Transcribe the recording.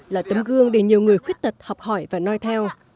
là tấm gương để nhiều người khuyết tật học hỏi và nói theo